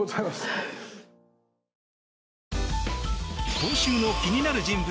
今週の気になる人物